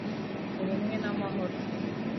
ubumwe n’amahoro